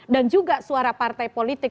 dan juga suara partai politik